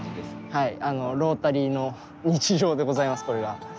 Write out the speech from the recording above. はい、ロータリーの日常でございます、これが。